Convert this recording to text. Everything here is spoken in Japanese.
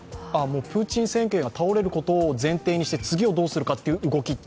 プーチン政権が倒れることを前提にして次をということですか？